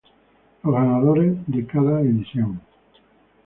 Los ganadores de cada edición.